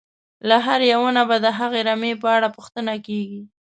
له هر یوه نه به د هغه رمې په اړه پوښتنه کېږي.